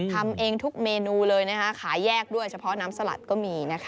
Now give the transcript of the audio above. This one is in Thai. ทำเองทุกเมนูเลยนะคะขายแยกด้วยเฉพาะน้ำสลัดก็มีนะคะ